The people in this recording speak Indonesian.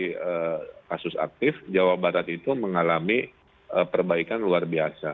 dari kasus aktif jawa barat itu mengalami perbaikan luar biasa